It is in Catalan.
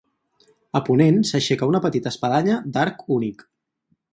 A ponent s'aixeca una petita espadanya d'arc únic.